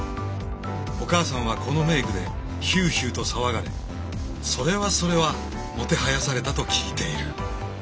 お母さんはこのメイクでヒューヒューと騒がれそれはそれはもてはやされたと聞いている。